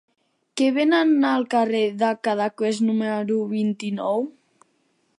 Què venen al carrer de Cadaqués número vint-i-nou?